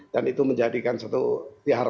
dan itu menjadikan satu pihak